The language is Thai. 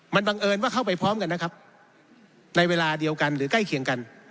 มันบังเอิญว่าเข้าไปพร้อมกันนะครับในเวลาเดียวกันหรือใกล้เคียงกัน